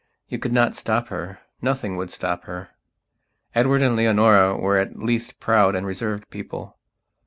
You could not stop her; nothing would stop her. Edward and Leonora were at least proud and reserved people.